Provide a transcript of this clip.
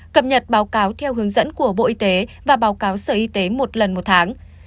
cập nhật báo cáo theo hướng dẫn của bộ y tế và báo cáo sở y tế một lần một tháng